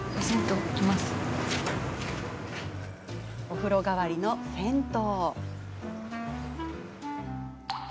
お風呂代わりの銭湯。